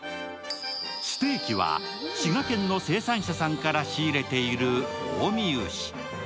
ステーキは、滋賀県の生産者さんから仕入れている近江牛。